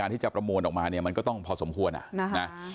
ที่จะประมวลออกมาเนี่ยมันก็ต้องพอสมควรอ่ะนะ